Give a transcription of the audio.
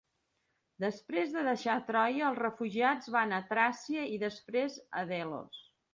Després de deixar Troia, els refugiats van a Tràcia i després, a Delos.